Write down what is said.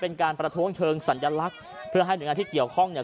เป็นการประท้วงเชิงสัญลักษณ์เพื่อให้หน่วยงานที่เกี่ยวข้องเนี่ย